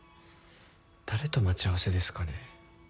誰と待ち合わせですかね。